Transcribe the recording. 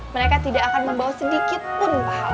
mereka tidak akan membawa sedikitpun pahala